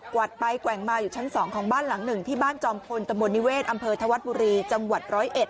วัดไปแกว่งมาอยู่ชั้น๒ของบ้านหลังหนึ่งที่บ้านจอมพลตะมนตนิเวศอำเภอธวัดบุรีจังหวัดร้อยเอ็ด